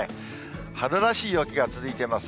春らしい陽気が続いてます。